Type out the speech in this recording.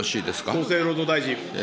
武見厚生労働大臣。